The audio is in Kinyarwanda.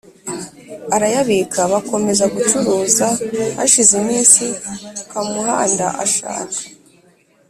arayabika. Bakomeza gucuruza. Hashize iminsi, Kamuhanda ashaka